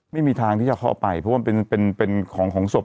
ไม่มีทางที่จะเข้าไปเพราะว่ามันเป็นของของศพ